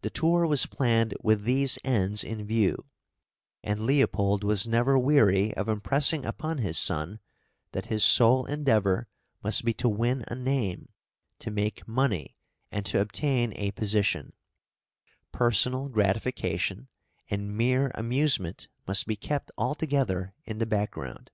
The tour was planned with these ends in view, and Leopold was never weary of impressing upon his son that his sole endeavour must be to win a name, to make money, and to obtain a position; personal gratification and mere amusement must be kept altogether in the background.